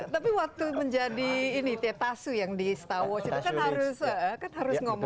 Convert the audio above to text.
tapi waktu menjadi ini teh tasu yang di setau kita kan harus ngomong apa